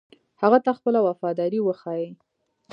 هغه ته خپله وفاداري وښيي.